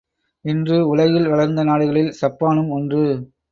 இன்று உலகில் வளர்ந்த நாடுகளில் சப்பானும் ஒன்று.